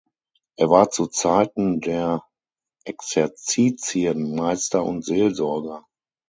Er war zu Zeiten der Exerzitien-Meister und Seelsorger.